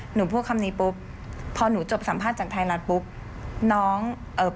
หนูพูดคำนี้ปุ๊บพอหนูจบสัมภาษณ์จากไทยรัฐปุ๊บน้องเอ่อ